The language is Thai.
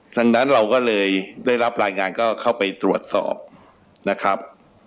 ดังนั้นเราก็เลยได้รับรายงานก็เข้าไปตรวจสอบนะครับ